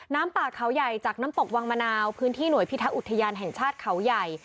น้ำป่าเขาใหญ่จากน้ำตกวังมะนาวพื้นที่หน่วยพิทักษ์อุทยานแห่งชาติเขาใหญ่